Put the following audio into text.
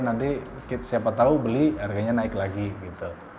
nanti siapa tahu beli harganya naik lagi gitu